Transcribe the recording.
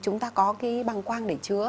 chúng ta có cái bằng quang để chứa